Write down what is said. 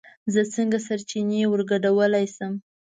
زه څنگه سرچينې ورگډولی شم